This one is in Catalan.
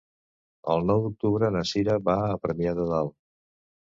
El nou d'octubre na Cira va a Premià de Dalt.